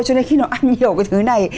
cho nên khi nó ăn nhiều cái thứ này